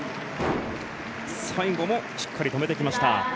最後もしっかり止めてきました。